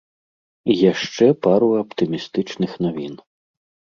І яшчэ пару аптымістычных навін.